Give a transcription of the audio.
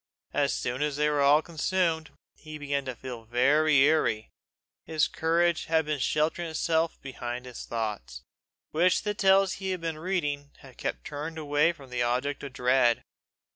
As soon as they were all consumed, he began to feel very eerie: his courage had been sheltering itself behind his thoughts, which the tales he had been reading had kept turned away from the object of dread.